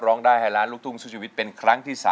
ร้องได้ให้ล้านลูกทุ่งสู้ชีวิตเป็นครั้งที่๓